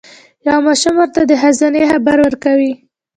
یو ماشوم ورته د خزانې خبر ورکوي.